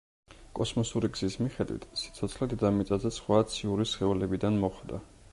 კოსმოსური გზის მიხედვით სიცოცხლე დედამიწაზე სხვა ციური სხეულებიდან მოხვდა.